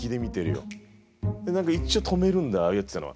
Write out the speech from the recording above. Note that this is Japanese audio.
で何か一応止めるんだああいうやつってのは。